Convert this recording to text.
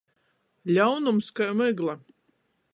Ļaunums kai mygla.